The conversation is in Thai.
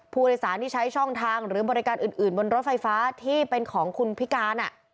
ผู้โดยสารที่ใช้ช่องทางหรือบริการอื่นบนรถไฟฟ้าที่เป็นของคุณพิการ